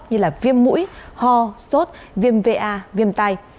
như viêm mũi ho sốt viêm va viêm tai